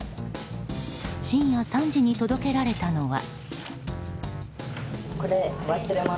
深夜３時に届けられたのは。